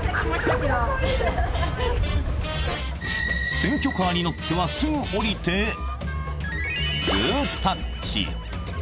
選挙カーに乗っては、すぐ降りてグータッチ。